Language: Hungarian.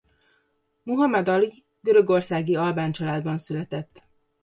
Muhammad Ali görögországi albán családban született.